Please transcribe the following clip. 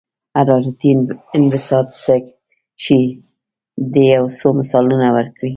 حرارتي انبساط څه شی دی او څو مثالونه ورکړئ.